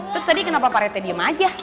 terus tadi kenapa pak retnya diem aja